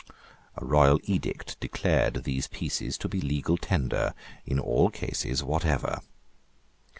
A royal edict declared these pieces to be legal tender in all cases whatever.